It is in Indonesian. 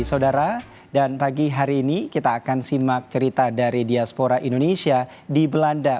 saudara dan pagi hari ini kita akan simak cerita dari diaspora indonesia di belanda